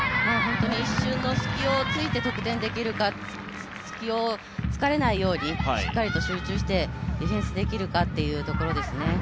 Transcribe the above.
本当に一瞬の隙を突いて得点できるか隙を突かれないようにしっかりと集中してディフェンスできるかというところですね。